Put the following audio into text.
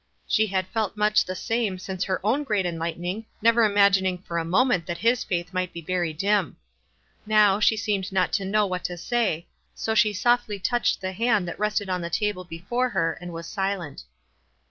She had felt much the same since her own great enlightening, never imagining for a moment that his faith might be very dim. Now, she seemed not to know what to say, so she softly touched the hand that rested on the table before her, and was silent.